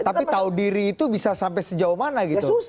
tapi tahu diri itu bisa sampai sejauh mana gitu